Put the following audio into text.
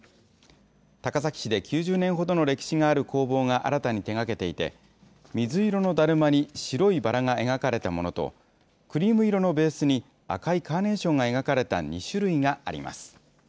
高崎市で９０年ほどの歴史がある工房が新たに手がけていて、水色のだるまに白いバラが描かれたものと、クリーム色のベースに赤いカーネーションが描かれた２種類があります。